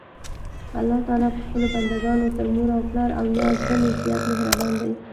الله تعالی په خپلو بندګانو تر مور او پلار اويا ځلي زيات مهربان دي.